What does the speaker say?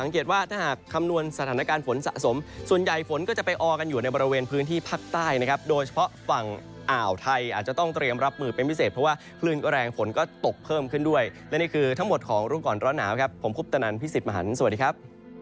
ว่าถ้าหากคำนวณสถานการณ์ฝนสะสมส่วนใหญ่ฝนก็จะไปออกันอยู่ในบริเวณพื้นที่ภาคใต้นะครับโดยเฉพาะฝั่งอ่าวไทยอาจจะต้องเตรียมรับมือเป็นพิเศษเพราะว่าคลื่นแรงฝนก็ตกเพิ่มขึ้นด้วยและนี่คือทั้งหมดของรู้ก่อนร้อนหนาวครับผมคุปตนันพี่สิทธิ์มหันฯสวัสดีครับ